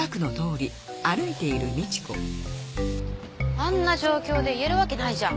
あんな状況で言えるわけないじゃん。